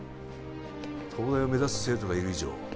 東大を目指す生徒がいる以上